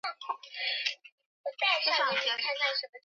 Mpushi anaonaka busiku sa mchana